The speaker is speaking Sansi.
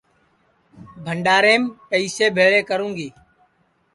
بھڈؔاریم پئسے بھیݪے کروں گی